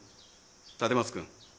立松君。